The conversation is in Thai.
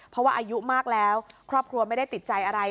เพราะว่าอายุมากแล้วครอบครัวไม่ได้ติดใจอะไร